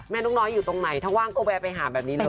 นกน้อยอยู่ตรงไหนถ้าว่างก็แวะไปหาแบบนี้เลย